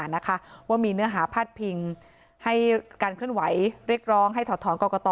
นะคะว่ามีเนื้อหาพาดพิงให้การเคลื่อนไหวเรียกร้องให้ถอดถอนกรกต